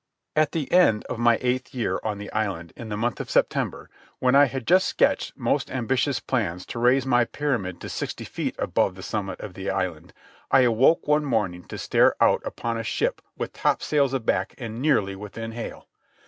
At the end of my eighth year on the island in the month of September, when I had just sketched most ambitious plans to raise my pyramid to sixty feet above the summit of the island, I awoke one morning to stare out upon a ship with topsails aback and nearly within hail.